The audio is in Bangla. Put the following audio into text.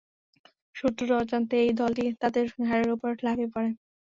শত্রুর অজান্তে এই দলটি তাদের ঘাড়ের উপর লাফিয়ে পড়ে।